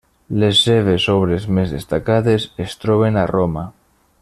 Les seves obres més destacades es troben a Roma.